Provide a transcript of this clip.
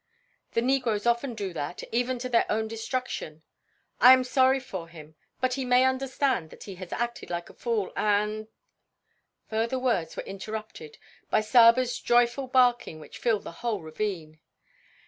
The negroes often do that, even to their own destruction. I am sorry for him But he may understand that he has acted like a fool and " Further words were interrupted by Saba's joyful barking which filled the whole ravine.